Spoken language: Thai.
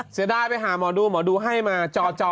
เสียดายไปหาหมอดูหมอดูให้มาจอ